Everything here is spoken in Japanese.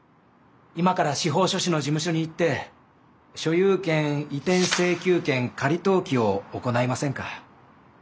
今から司法書士の事務所に行って所有権移転請求権仮登記を行いませんか？